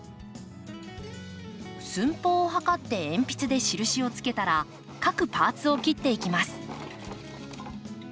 寸法を測って鉛筆で印をつけたら各パ―ツを切っていきます。